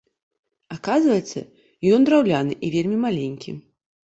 Аказваецца, ён драўляны і вельмі маленькі.